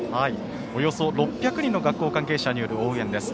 およそ６００人の学校関係者による応援です。